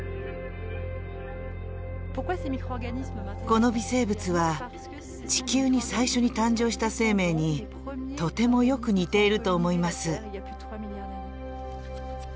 この微生物は地球に最初に誕生した生命にとてもよく似ていると思います。